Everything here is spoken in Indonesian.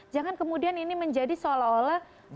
jangan kemudian ini menjadi seolah olah